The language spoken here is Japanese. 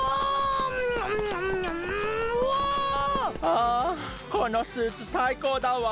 ああこのスーツさいこうだわ！